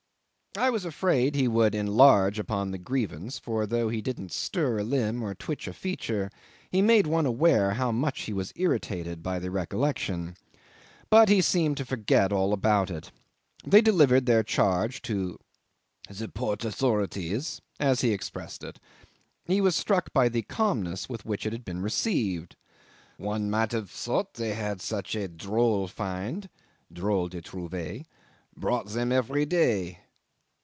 'I was afraid he would enlarge upon the grievance, for though he didn't stir a limb or twitch a feature, he made one aware how much he was irritated by the recollection. But he seemed to forget all about it. They delivered their charge to the "port authorities," as he expressed it. He was struck by the calmness with which it had been received. "One might have thought they had such a droll find (drole de trouvaille) brought them every day.